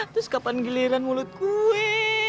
terus kapan giliran mulut kue